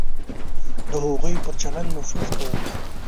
د هغوی پر چلند نفوذ کوو.